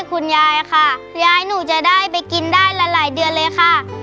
คุณยายค่ะยายหนูจะได้ไปกินได้หลายเดือนเลยค่ะ